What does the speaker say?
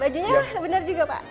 bajunya bener juga pak